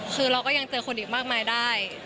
คือเราก็ยังเจอคนอีกมากมายได้